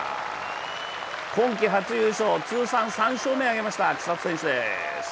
今季初優勝、通算３勝目を挙げました、千怜選手。